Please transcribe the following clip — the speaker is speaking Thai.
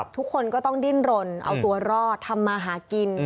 ทุกคนก็ต้องดิ้นรนเอาตัวรอดทำมาหากิน